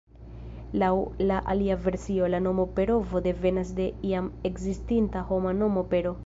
Laŭ la alia versio, la nomo Perovo devenas de iam ekzistinta homa nomo Pero.